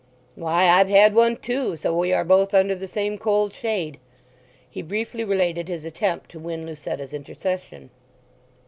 "Why, I've had one too, so we are both under the same cold shade." He briefly related his attempt to win Lucetta's intercession.